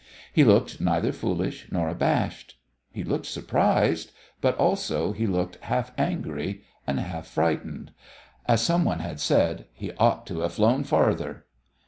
He looked neither foolish nor abashed. He looked surprised, but also he looked half angry and half frightened. As some one had said, he "ought to have flown farther."